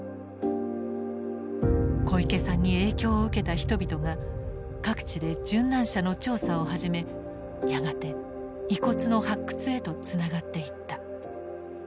小池さんに影響を受けた人々が各地で殉難者の調査を始めやがて遺骨の発掘へとつながっていった。